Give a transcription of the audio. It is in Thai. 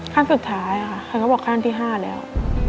ขั้นสุดท้ายค่ะท่านก็บอกขั้นที่๕แล้ว